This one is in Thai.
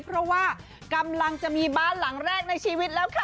เพราะว่ากำลังจะมีบ้านหลังแรกในชีวิตแล้วค่ะ